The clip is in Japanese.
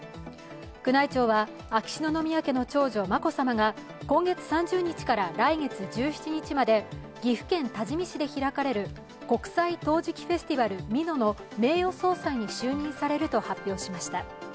宮内庁は、秋篠宮家の長女眞子さまが今月３０日から来月１７日まで岐阜県多治見市で開かれる国際陶磁器フェスティバル美濃の名誉総裁に就任されると発表しました。